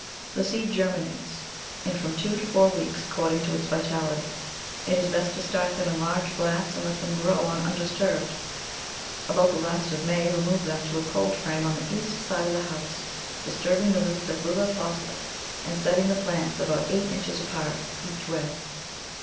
The seed germinates in from two to four weeks, according to its vitality. It is best to start them in large flats and let them grow on un disturbed. About the last of May remove them to a cold frame on the east side of the house, disturbing the roots &s little as possible, and setting the plants about eight inches apart each way.